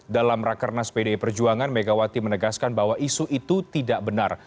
dalam rakernas pdi perjuangan megawati menegaskan bahwa isu itu tidak benar